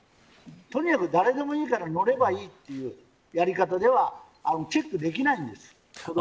とにかく誰でもいいから乗ればいいというやり方ではチェックできないです。